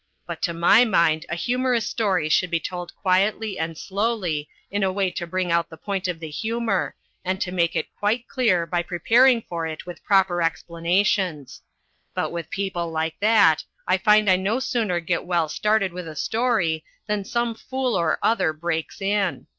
But to my mind a humourous story should be told quietly and slowly in a way to bring out the point of the humour and to make it quite clear by preparing for it with proper explanations. But with people like that I find I no sooner get well started with a story than some fool or other breaks in.